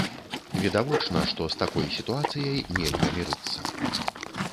Відавочна, што з такой сітуацыяй нельга мірыцца.